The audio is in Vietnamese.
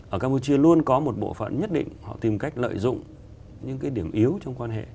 ở campuchia luôn có một bộ phận nhất định họ tìm cách lợi dụng những cái điểm yếu trong quan hệ